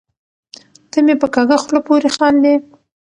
ته مې په کږه خوله پورې خاندې .